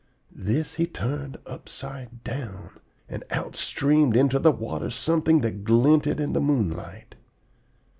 This he turned upside down, and out streamed into the water something that glinted in the moonlight.